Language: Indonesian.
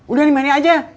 udah nih meneh aja